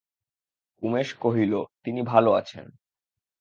উমেশ কহিল, তিনি ভালো আছেন।